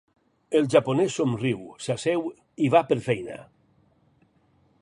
El japonès somriu, s'asseu i va per feina.